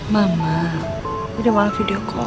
mama aku udah malam video call